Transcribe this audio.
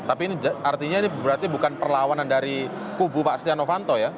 tapi ini artinya bukan perlawanan dari kubu pak stiano fanto ya